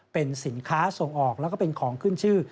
เป็นสินค้าส่งออกแล้วก็เป็นของขึ้นชื่อ